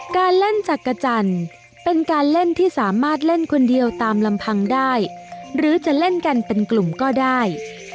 การเล่นจักรจันทร์เป็นการเล่นที่สามารถเล่นคนเดียวตามลำพังได้หรือจะเล่นกันเป็นกลุ่มก็ได้